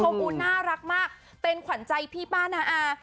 ตัวผู้น่ารักมากเป็นขวัญใจพี่ป้านะะ